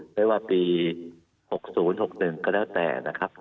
อะไรอย่างเท่านะครับ